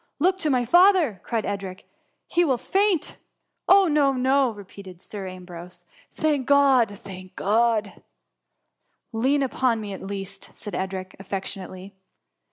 " Look to my father,'' cried Edric, " he will faint.'' .<^ Oh no, no!" repeated Sir Ambrose: '^ thank God ! thank God I" ^^ Lean upon me, at least," said Edric, affec tionately.